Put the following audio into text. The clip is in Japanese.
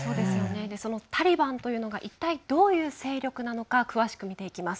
そのタリバンが一体、どういう勢力なのか詳しく見ていきます。